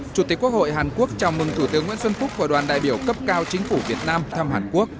chủ tịch quốc hội hàn quốc chào mừng thủ tướng nguyễn xuân phúc và đoàn đại biểu cấp cao chính phủ việt nam thăm hàn quốc